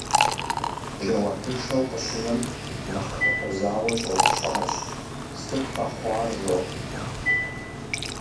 Жэуапыншэу къыщынэм, нэхъ хэкъузауэ щӀэупщӀащ: «Сыт къэхъуар зо?».